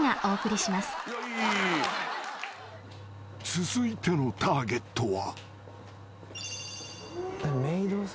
［続いてのターゲットは］